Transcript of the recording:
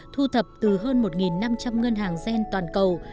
thu thập từ hơn một năm trăm linh ngân hàng gen toàn cầu